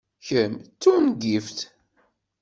Kemm d tungift!